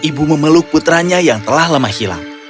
ibu memeluk putranya yang telah lama hilang